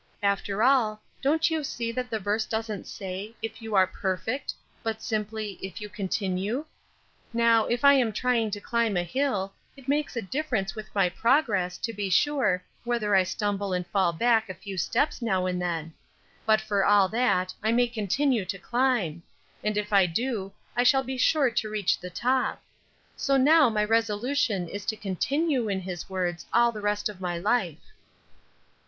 After all, don't you see that the verse doesn't say, If you are perfect, but simply, 'If you continue.' Now, if I am trying to climb a hill, it makes a difference with my progress, to be sure, whether I stumble and fall back a few steps now and then. But for all that I may continue to climb; and if I do I shall be sure to reach the top. So now my resolution is to 'continue' in his words all the rest of my life."